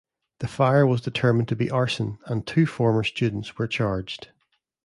The fire was determined to be arson, and two former students were charged.